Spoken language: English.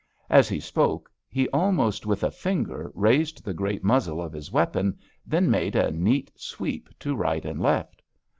As he spoke he almost with a finger raised the great muzzle of his weapon, then made a neat sweep to right and left.